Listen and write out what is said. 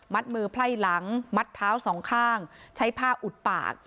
มือไพ่หลังมัดเท้าสองข้างใช้ผ้าอุดปาก